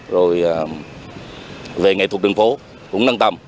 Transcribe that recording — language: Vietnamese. rồi về nghệ thuật đường phố cũng năng tầm